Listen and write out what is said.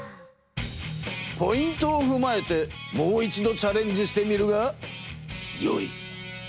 ポイントをふまえてもう一度チャレンジしてみるがよい！